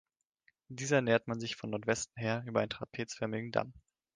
Dieser nähert man sich von Nordwesten her über einen trapezförmigen Damm.